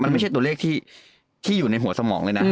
มันไม่ใช่ตัวเลขที่อยู่ในหัวสมองเลยนะ